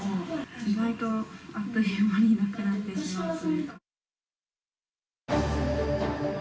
意外とあっという間になくなってしまうというか。